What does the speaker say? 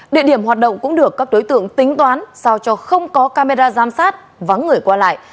địa điểm hoạt động cũng được các đối tượng tính toán sao cho không có camera giám sát vắng người qua lại